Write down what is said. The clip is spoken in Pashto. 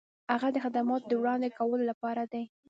هغه د خدماتو د وړاندې کولو لپاره دی.